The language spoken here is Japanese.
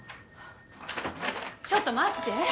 ちょっと待って。